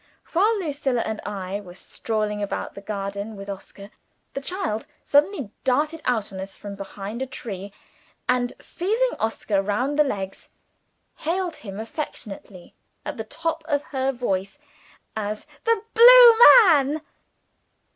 While Lucilla and I were strolling about the garden with Oscar, the child suddenly darted out on us from behind a tree, and, seizing Oscar round the legs, hailed him affectionately at the top of her voice as "The Blue Man!"